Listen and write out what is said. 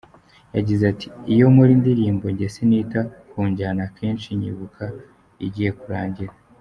Yagize ati “Iyo nkora indirimbo njye sinita ku njyana, akenshi nyibuka igiye kurangira.